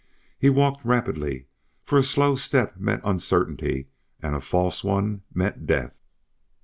He walked rapidly, for a slow step meant uncertainty and a false one meant death.